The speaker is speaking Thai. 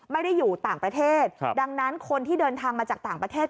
ไม่ได้อยู่ต่างประเทศดังนั้นคนที่เดินทางมาจากต่างประเทศ